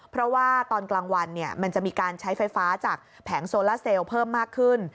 เพราะว่าตอนกลางวันมันจะมีการใช้ไฟฟ้าจากแผงโซล่าเซลเพิ่มมากขึ้น